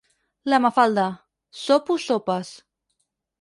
La Mafalda: —Sopo sopes.